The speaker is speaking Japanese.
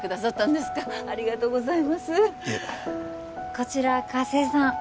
こちら加瀬さん